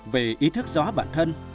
vì ý thức gió bản thân